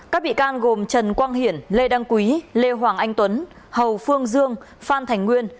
các bị can gồm trần quang hiển lê đăng quý lê hoàng anh tuấn hầu phương dương phan thành nguyên